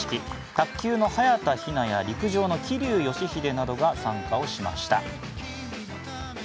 卓球の早田ひなや陸上の桐生祥秀などが参加しました。